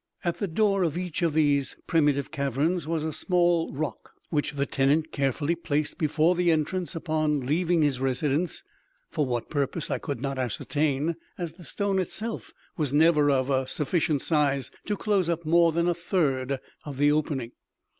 At the door of each of these primitive caverns was a small rock, which the tenant carefully placed before the entrance upon leaving his residence, for what purpose I could not ascertain, as the stone itself was never of sufficient size to close up more than a third of the opening.